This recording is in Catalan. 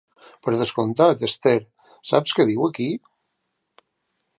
Per descomptat, Esther, saps què diu aquí?